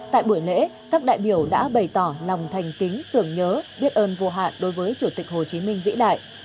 tại buổi lễ các đại biểu đã bày tỏ lòng thành kính tưởng nhớ biết ơn vô hạn đối với chủ tịch hồ chí minh vĩ đại